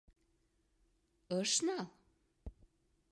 — Ыш нал?